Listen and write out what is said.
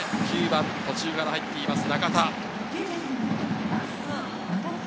９番、途中から入っています、中田。